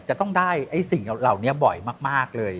จะต้องได้สิ่งเหล่านี้บ่อยมากเลย